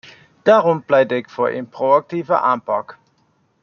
Daarom pleit ik voor een proactieve aanpak.